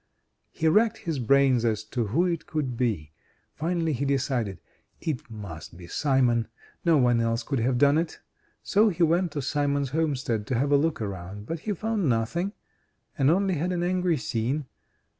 He racked his brains as to who it could be. Finally he decided: "It must be Simon no one else could have done it." Se he went to Simon's homestead to have a look around, but he found nothing, and only had an angry scene.